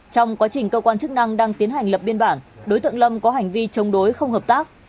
trong quá trình cơ quan chức năng đang tiến hành lập biên bản đối tượng lâm có hành vi chống đối không hợp tác